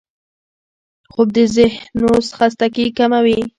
خوب د ذهنو خستګي ختموي